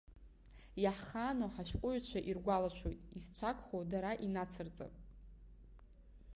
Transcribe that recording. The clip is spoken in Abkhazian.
Иахаану ҳашәҟәаҩҩцәа иргәалашәоит, исцәагхо дара инацырҵап.